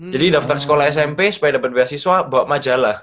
jadi daftar sekolah smp supaya dapat beasiswa bawa majalah